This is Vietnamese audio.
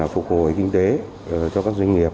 phục hồi kinh tế cho các doanh nghiệp